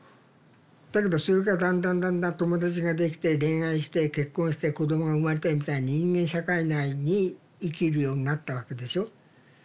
だけどそれがだんだんだんだん友達ができて恋愛して結婚して子供が生まれてみたいに人間社会内に生きるようになったわけでしょ。